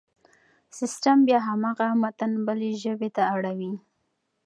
سيستم بيا هماغه متن بلې ژبې ته اړوي.